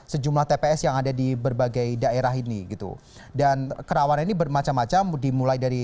sejumlah tps yang ada di berbagai daerah ini gitu dan kerawanan ini bermacam macam dimulai dari